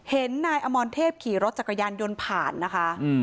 เห็นนายอมรเทพขี่รถจักรยานยนต์ผ่านนะคะ